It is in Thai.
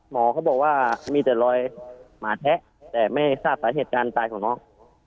หมอเขาบอกว่ามีแต่รอยหมาแทะแต่ไม่ทราบสาเหตุการตายของน้อง